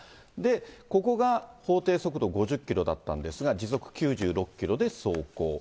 ここが法定速度５０キロだったんですが、時速９６キロで走行。